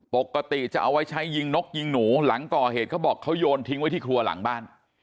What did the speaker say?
ปกติจะเอาไว้ใช้ยิงนกยิงหนูหลังก่อเหตุเขาบอกเขาโยนทิ้งไว้ที่ครัวหลังบ้าน